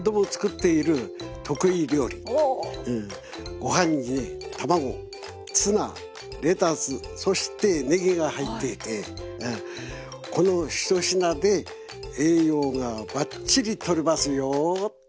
ご飯に卵ツナレタスそしてねぎが入っていてこの一品で栄養がバッチリとれますよ！